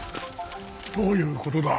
どういうことだ。